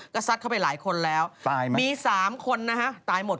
ก็ซัดเข้าไปหลายคนแล้วตายหมดมี๓คนนะฮะตายหมด